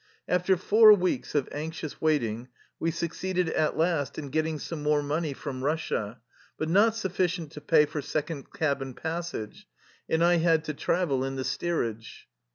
After four weeks of anxious waiting we suc ceeded at last in getting some more money from Eussia, but not sufficient to pay for second cabin passage, and I had to travel in the steer age.